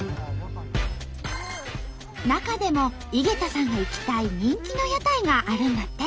中でも井桁さんが行きたい人気の屋台があるんだって。